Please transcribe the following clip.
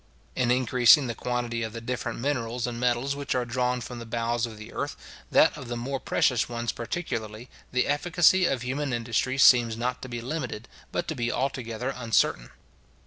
In increasing the quantity of the different minerals and metals which are drawn from the bowels of the earth, that of the more precious ones particularly, the efficacy of human industry seems not to be limited, but to be altogether uncertain.